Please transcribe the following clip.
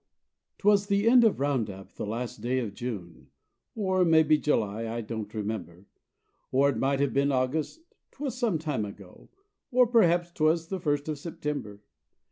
'Twas the end of round up, the last day of June, Or maybe July, I don't remember, Or it might have been August, 'twas some time ago, Or perhaps 'twas the first of September.